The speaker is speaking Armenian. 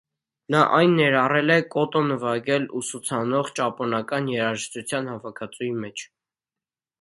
Նա այն ներառել է կոտո նվագել ուսուցանող ճապոնական երաժշտության հավաքածուի մեջ։